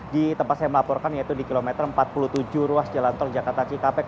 di tempat saya melaporkan yaitu di kilometer empat puluh tujuh ruas jalan tol jakarta cikampek